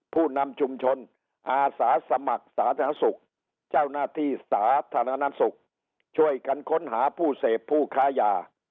ผู้นำชุมชนอาสาสมัครสาธารณสุขเจ้าหน้าที่สาธารณสุขช่วยกันค้นหาผู้เสพผู้ค้ายา